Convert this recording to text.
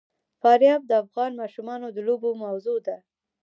فاریاب د افغان ماشومانو د لوبو موضوع ده.